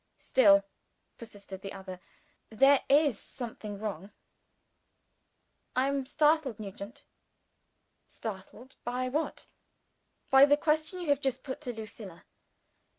"Still," persisted the other, "there is something wrong." "I am startled, Nugent." "Startled by what?" "By the question you have just put to Lucilla."